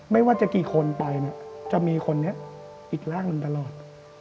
ไม่ว่าจะกี่คนไปเนี่ยจะมีคนนี้ปิดร่างลุงตลอด